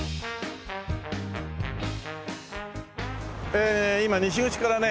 ええ今西口からね